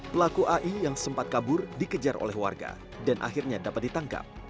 pelaku ai yang sempat kabur dikejar oleh warga dan akhirnya dapat ditangkap